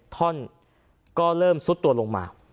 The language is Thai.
ท่อนก็เริ่มซุดตัวลงมา